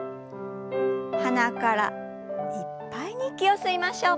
鼻からいっぱいに息を吸いましょう。